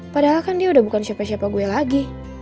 padahal kan dia udah bukan siapa siapa gue lagi